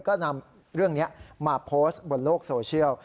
ก็นำเรื่องนี้มาโพสต์บนโลกโซเชียล